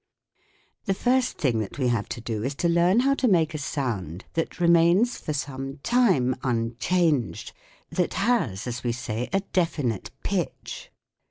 The first thing that we have to do is to learn how to make a sound that remains for some time unchanged : that has, as we say, a definite pitch.